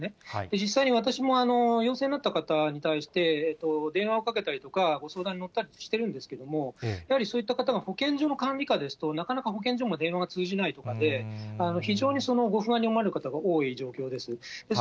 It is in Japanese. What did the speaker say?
実際に私も、陽性になった方に対して、電話をかけたりとか、相談に乗ったりしているんですけれども、やはりそういった方が保健所の管理下ですと、なかなか保健所も電話が通じないとかで、非常にご不安に思われる方が多い状況です。